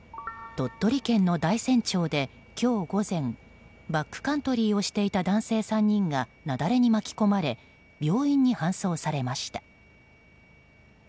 鳥取県の大山町で今日午前バックカントリーをしていた男性３人が雪崩に巻き込まれ病院に搬送されました。